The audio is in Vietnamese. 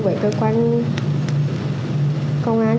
với cơ quan công an